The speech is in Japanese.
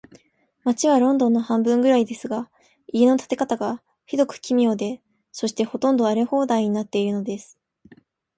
街はロンドンの半分くらいですが、家の建て方が、ひどく奇妙で、そして、ほとんど荒れ放題になっているのです。